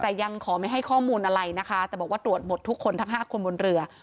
แต่ยังขอไม่ให้ข้อมูลอะไรนะคะแต่บอกว่าตรวจหมดทุกคนทั้ง๕คนบนเรือ